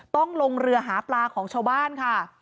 ต้องลงเรือหาปลาของชาวบ้านค่ะ